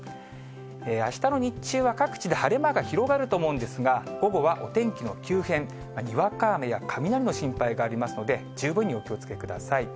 あしたの日中は各地で晴れ間が広がると思うんですが、午後はお天気の急変、にわか雨や雷の心配がありますので、十分にお気をつけください。